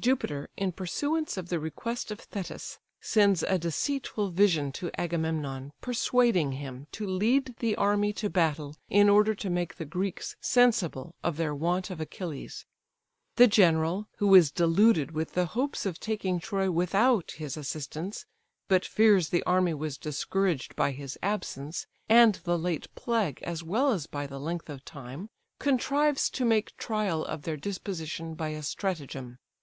Jupiter, in pursuance of the request of Thetis, sends a deceitful vision to Agamemnon, persuading him to lead the army to battle, in order to make the Greeks sensible of their want of Achilles. The general, who is deluded with the hopes of taking Troy without his assistance, but fears the army was discouraged by his absence, and the late plague, as well as by the length of time, contrives to make trial of their disposition by a stratagem.